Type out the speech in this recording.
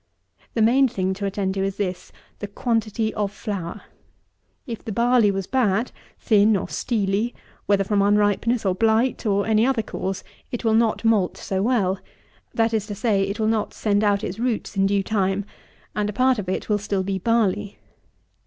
The main thing to attend to is, the quantity of flour. If the barley was bad; thin, or steely, whether from unripeness or blight, or any other cause, it will not malt so well; that is to say, it will not send out its roots in due time; and a part of it will still be barley.